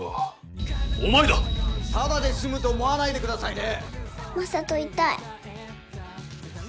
ただで済むと思わないで下さいね。